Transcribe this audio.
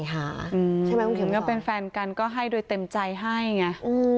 ใช่ไหมคุณเขียนพี่สอบหรือเป็นแฟนกันก็ให้โดยเต็มใจให้ไง